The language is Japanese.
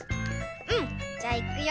うんじゃいくよ。